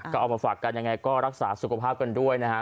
ก็เอามาฝากกันยังไงก็รักษาสุขภาพกันด้วยนะฮะ